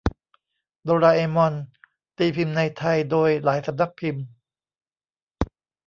โดราเอมอน ตีพิมพ์ในไทยโดยหลายสำนักพิมพ์